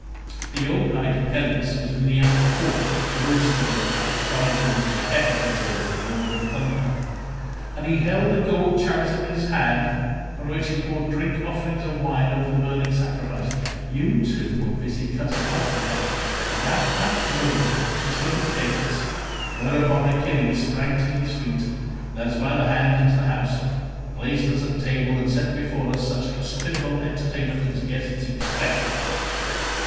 The old knight Peleus was in the outer court, roasting the fat thigh bones of a heifer to Jove the lord of thunder; and he held a gold chalice in his hand from which he poured drink offerings of wine over the burning sacrifice. You two were busy cutting up the heifer, and at that moment we stood at the gates, whereon Achilles sprang to his feet, led us by the hand into the house, placed us at table, and set before us such hospitable entertainment as guests expect.